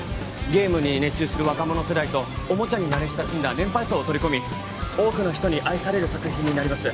ゲームに熱中する若者世代とおもちゃに慣れ親しんだ年配層を取り込み多くの人に愛される作品になります